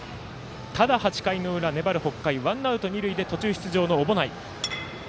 ただ、８回の裏粘る北海、ワンアウト、二塁で途中出場の小保内。